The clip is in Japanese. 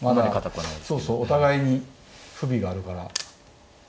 そうそうお互いに不備があるから。